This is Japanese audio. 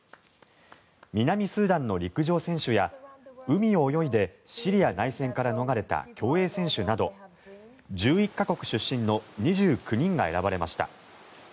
南スーダンの陸上選手や海を泳いでシリア内戦から逃れた競泳選手など１１か国出身の２９人が選ばれました。